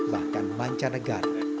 bahkan manca negara